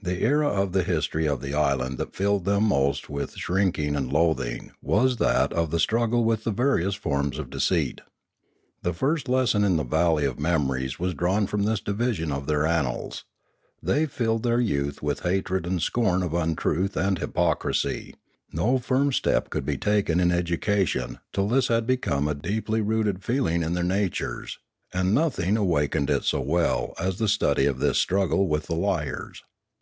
The era of the history of the island that filled them most with shrinking and loathing was that of the struggle with the various forms of deceit. The first lesson in the valley of memories was drawn from this division of their annals; they filled their youth with hatred and scorn of untruth and hypocrisy; no firm step could be taken in education till this had become a deeply rooted feeling in their natures, and nothing awakened it so well as the study of this struggle with the liars.